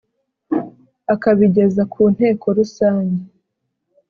akabigeza ku Nteko Rusange.